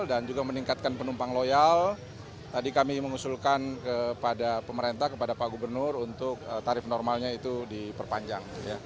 dan juga meningkatkan penumpang loyal tadi kami mengusulkan kepada pemerintah kepada pak gubernur untuk tarif normalnya itu diperpanjang